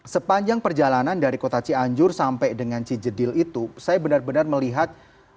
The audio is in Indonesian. sepanjang perjalanan dari kota cianjur sampai dengan cijedil itu saya benar benar melihat